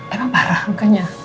emang parah mukanya